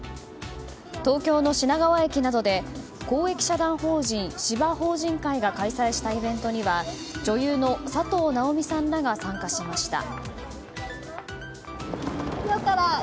東京の品川駅などで公益社団法人・芝法人会が開催したイベントには女優の佐藤奈織美さんらが参加しました。